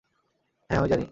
হ্যা, আমি জানি।